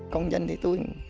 công dân thì tôi